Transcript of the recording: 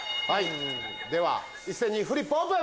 では一斉にフリップオープン！